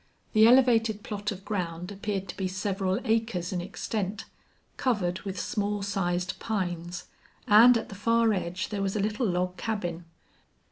The elevated plot of ground appeared to be several acres in extent, covered with small sized pines, and at the far edge there was a little log cabin.